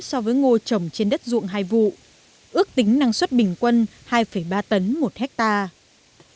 cây ngô lai trồng trên đất dụng hai vụ ước tính năng suất bình quân hai ba tấn một hectare